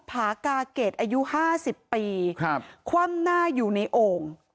ผากาเกตอายุ๕๐ปีคว่ำหน้าอยู่ในโอ่ง